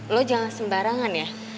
lo jangan sembarangan ya